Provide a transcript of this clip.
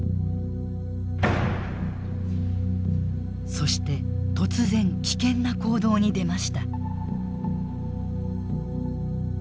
そして突然危険な行動に出ました。